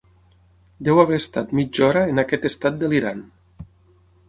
Deu haver estat mitja hora en aquest estat delirant.